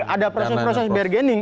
ada proses proses bargaining